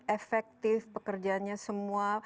efektif pekerjanya semua